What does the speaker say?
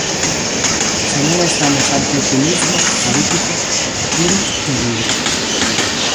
Se non, estamos ante cinismo político puro e duro.